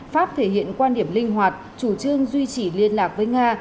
pháp thể hiện quan điểm linh hoạt chủ trương duy trì liên lạc với nga